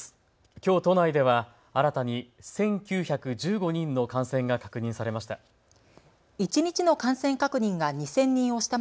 きょう都内では新たに１９１５人の感染が確認されました。